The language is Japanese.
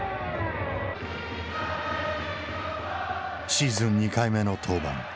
シーズン２回目の登板。